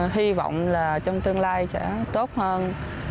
hy vọng là trong tương lai sẽ tốt hơn